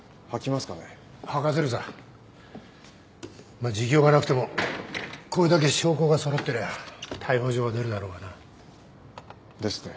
まあ自供がなくてもこれだけ証拠が揃ってりゃ逮捕状は出るだろうがな。ですね。